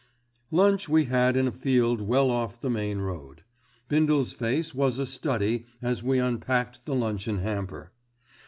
Lunch we had in a field well off the main road. Bindle's face was a study as we unpacked the luncheon hamper.